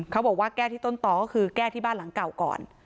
เขาบอกว่าแก้ที่ต้นต่อก็คือแก้ที่บ้านหลังเก่าก่อน